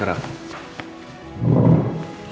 bisa banyak gak